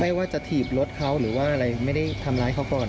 ไม่ว่าจะถีบรถเขาหรือว่าอะไรไม่ได้ทำร้ายเขาก่อน